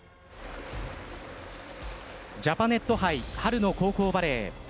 ジャパネット杯春の高校バレー。